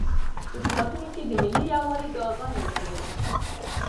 په جوماتونو کې د ملي یووالي دعاګانې وکړئ.